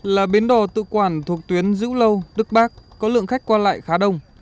là bến đò tự quản thuộc tuyến dữ lâu đức bác có lượng khách qua lại khá đông